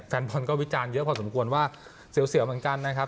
แฟนบอลก็วิจารณ์เยอะพอสมควรว่าเสียวเหมือนกันนะครับ